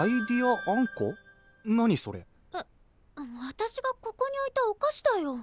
私がここに置いたお菓子だよ。